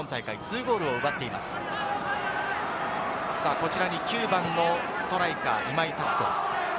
こちらに９番のストライカー、今井拓人。